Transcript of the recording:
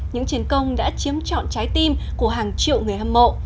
những chiến công đã chiếm trọn trái tim của hàng triệu người hâm mộ